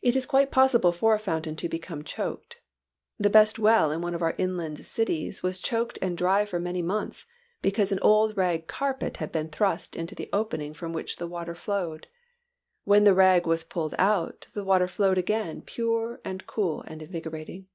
It is quite possible for a fountain to become choked. The best well in one of our inland cities was choked and dry for many months because an old rag carpet had been thrust into the opening from which the water flowed. When the rag was pulled out, the water flowed again pure and cool and invigorating.